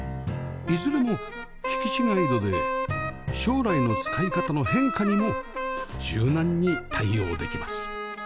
いずれも引き違い戸で将来の使い方の変化にも柔軟に対応できます